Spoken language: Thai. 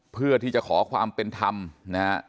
เพื่อที่จะขอความเป็นธรรมนะฮะ